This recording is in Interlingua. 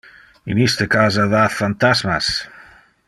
In iste casa va phantasmas.